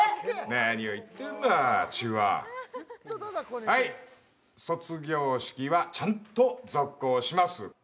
何を言ってんだチューははい卒業式はちゃんと続行します